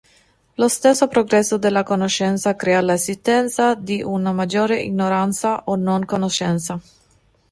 Lo stesso progresso della conoscenza crea l'esistenza di una maggiore ignoranza o non conoscenza.